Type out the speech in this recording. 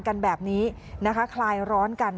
กันแบบนี้นะคะคลายร้อนกัน